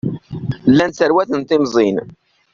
Llan sserwaten timẓin.